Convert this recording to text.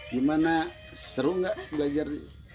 gimana seru nggak belajar